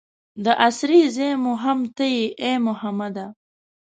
د اسرې ځای مو هم ته یې ای محمده.